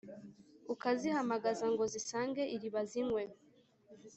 ukuzihamagaza ngo zisange iriba zinywe